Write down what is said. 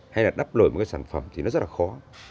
hay là đắp lội một cái sản phẩm thì nó rất là khó